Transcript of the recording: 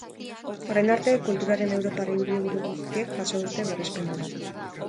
Orain arte, kulturaren europar hiriburu guztiek jaso dute berrespen hori.